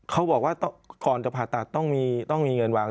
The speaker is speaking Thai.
เขาบอกว่าก่อนจะผ่าตัดต้องมีเงินวาง